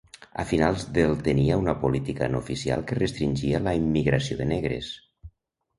A finals del tenia una política no oficial que restringia la immigració de negres.